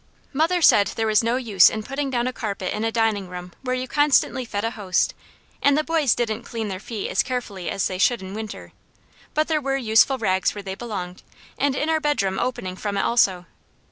Mother said there was no use in putting down a carpet in a dining room where you constantly fed a host, and the boys didn't clean their feet as carefully as they should in winter; but there were useful rags where they belonged, and in our bedroom opening from it also.